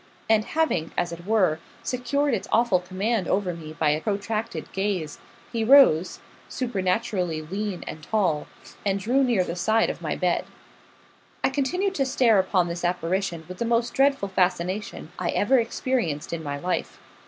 And having, as it were, secured its awful command over me by a protracted gaze, he rose, supernaturally lean and tall, and drew near the side of my bed. I continued to stare upon this apparition with the most dreadful fascination I ever experienced in my life.